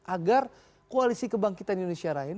agar koalisi kebangkitan indonesia raya ini